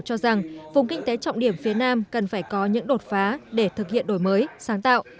cho rằng vùng kinh tế trọng điểm phía nam cần phải có những đột phá để thực hiện đổi mới sáng tạo